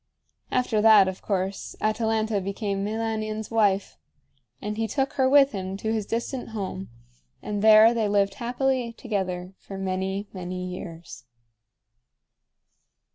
After that, of course, Atalanta became Meilanion's wife. And he took her with him to his distant home, and there they lived happily together for many, many years.